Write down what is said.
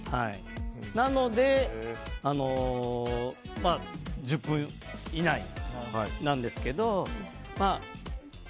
なので、１０分以内なんですけど。